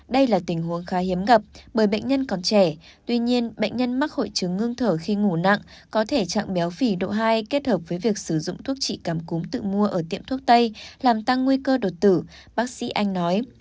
đây là tình huống khá hiếm gặp bởi bệnh nhân còn trẻ tuy nhiên bệnh nhân mắc hội chứng ngưng thở khi ngủ nặng có thể trạng béo phì độ hai kết hợp với việc sử dụng thuốc trị cảm cúm tự mua ở tiệm thuốc tây làm tăng nguy cơ đột tử bác sĩ anh nói